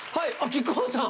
木久扇さん。